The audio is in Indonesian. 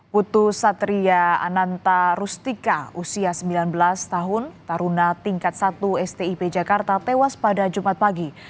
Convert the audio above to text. putu satria ananta rustika usia sembilan belas tahun taruna tingkat satu stip jakarta tewas pada jumat pagi